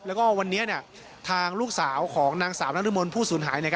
แล้วก็วันนี้ทางลูกสาวของนางสาวนรมนผู้สูญหาย